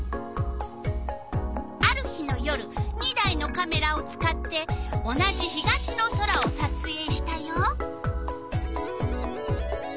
ある日の夜２台のカメラを使って同じ東の空をさつえいしたよ。